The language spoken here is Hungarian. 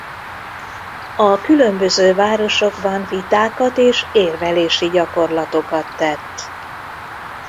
A különböző városokban vitákat és érvelési gyakorlatokat tett.